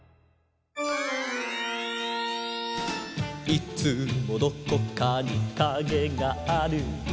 「いつもどこかにカゲがある」